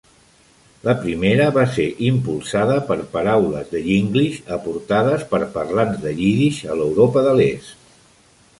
La primera va ser impulsada per paraules de Yinglish aportades per parlants de Yiddish a l'Europa de l'Est.